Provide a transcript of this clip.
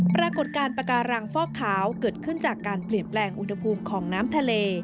ปรากฏการณ์ปาการังฟอกขาวเกิดขึ้นจากการเปลี่ยนแปลงอุณหภูมิของน้ำทะเล